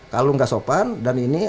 kalau nggak sopan dan ini